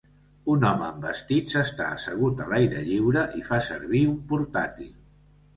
Un home amb vestit s'està assegut a l'aire lliure i fa servir un portàtil.